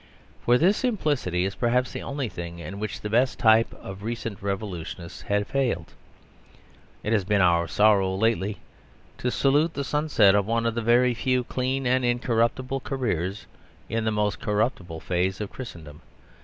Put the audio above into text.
For this simplicity is perhaps the only thing in which the best type of recent revolutionists have failed. It has been our sorrow lately to salute the sunset of one of the very few clean and incorruptible careers in the most corruptible phase of Christendom.